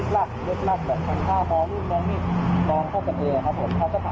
แล้วบ้านนั้นจะเป็นส่วนของที่มันเป็นบ้านล้างนะ